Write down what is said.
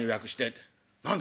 「何だ？